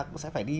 cũng sẽ phải đi